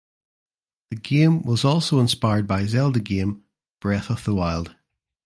The game was also inspired by Zelda game "Breath of the Wild".